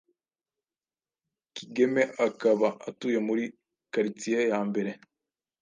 Kigeme akaba atuye muri karitsiye ya mbere